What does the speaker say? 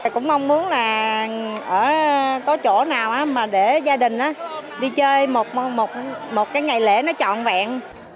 cũng mong muốn là có chỗ nào để gia đình đi chơi một ngày lễ nó trọn vẹn